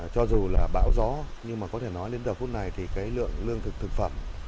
cho dù là bão gió nhưng mà có thể nói đến giờ phút này thì cái lượng lương thực thực phẩm